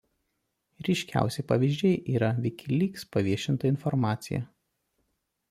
Ryškiausi pavyzdžiai yra WikiLeaks paviešinta informacija.